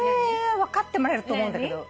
分かってもらえると思うんだけど。